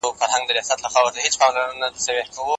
دوه کسان پخلا کول لوی ثواب لري.